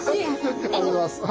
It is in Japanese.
ありがとうございます。